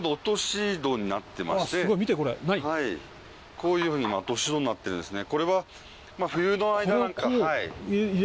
こういうふうに落とし戸になってるんですね。